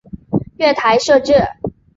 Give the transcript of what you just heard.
月台设置